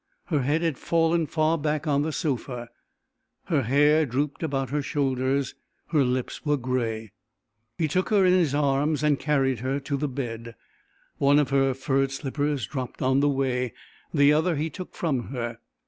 Her head had fallen far back on the sofa, her hair drooped about her shoulders, her lips were gray. He took her in his arms and carried her to the bed. One of her furred slippers dropped on the way, the other he took from her.